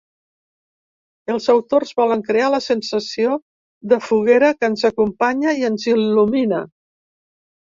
Els autors volen crear la sensació de foguera que ens acompanya i ens il·lumina.